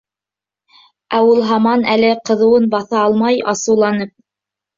Ә ул һаман әле ҡыҙыуын баҫа алмай, асыуланып: